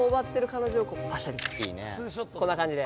こんな感じで。